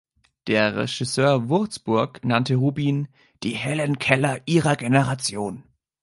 Der Regisseur Wurzburg nannte Rubin: „die Helen Keller ihrer Generation“.